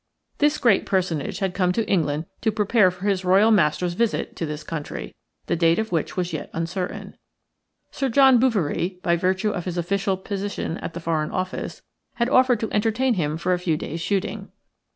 This great personage had come to England to prepare for his Royal master's visit to this country, the date of which was as yet uncertain. Sir John Bouverie, by virtue of his official position at the Foreign Office, had offered to entertain him for a few days' shooting.